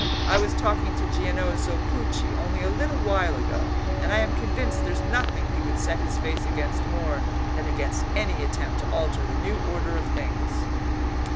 I was talking to Giannozzo Pucci only a little while ago, and I am convinced there's nothing he would set his face against more than against any attempt to alter the new order of things."